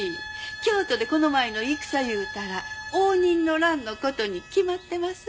京都で「この前の戦」言うたら応仁の乱の事に決まってます。